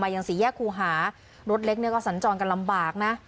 ยังสี่แยกครูหารถเล็กเนี่ยก็สัญจรกันลำบากนะ